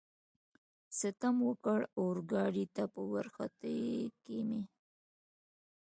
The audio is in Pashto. ستم وکړ، اورګاډي ته په ورختو کې مې.